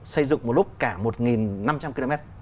xây dựng một lúc cả một năm trăm linh km